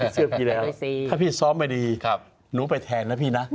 เสื้อพี่แล้วถ้าพี่ซ้อมไม่ดีหนูไปแทนนะพี่นะ